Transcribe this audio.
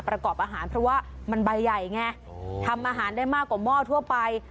ประกอบอาหารเพราะว่ามันใบใหญ่ไงทำอาหารได้มากกว่าหม้อทั่วไป